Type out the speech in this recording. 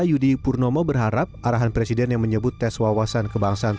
yudi purnomo berharap arahan presiden yang menyebut tes wawasan kebangsaan